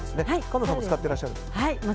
菅野さんも使っていらっしゃる？